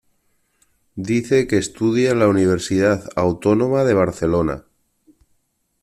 Dice que estudia en la Universidad Autónoma de Barcelona.